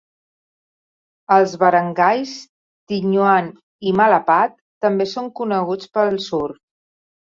Els barangays Tignoan i Malapad també són coneguts pel surf.